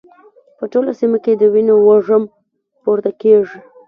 په ټوله سيمه کې د وینو وږم پورته کېږي.